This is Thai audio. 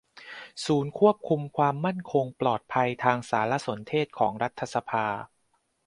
ศูนย์ควบคุมความมั่นคงปลอดภัยทางสารสนเทศของรัฐสภา